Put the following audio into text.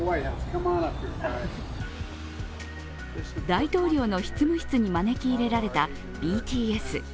大統領の執務室に招き入れられたＢＴＳ。